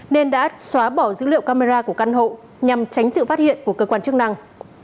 nên đã xóa bỏ dữ liệu camera của căn hộ nhằm tránh sự phát hiện của cơ quan chức năng